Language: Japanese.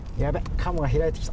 カムが開いてきた。